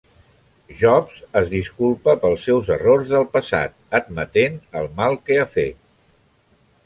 Jobs es disculpa pels seus errors del passat, admetent el mal que ha fet.